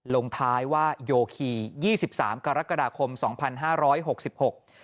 ลงท้ายว่าโยคียี่สิบสามกรกฎาคมสองพันห้าร้อยหกสิบหก